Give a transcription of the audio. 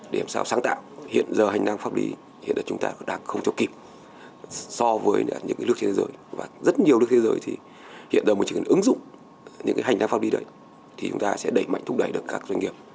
để làm sao sáng tạo hiện giờ hành năng pháp lý hiện giờ chúng ta đang không cho kịp so với những lước trên thế giới và rất nhiều lước trên thế giới thì hiện giờ một chữ ứng dụng những hành năng pháp lý đấy thì chúng ta sẽ đẩy mạnh thúc đẩy được các doanh nghiệp